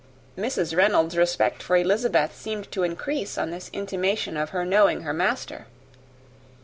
Mrs. Reynolds' respect for Elizabeth seemed to increase on this intimation of her knowing her master.